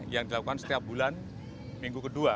yang dilakukan setiap bulan minggu kedua